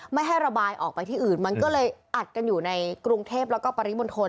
ไม่ให้ระบายออกไปที่อื่นมันก็เลยอัดกันอยู่ในกรุงเทพแล้วก็ปริมณฑล